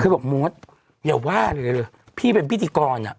เคยบอกมวดอย่าว่าพี่เป็นพิธีกร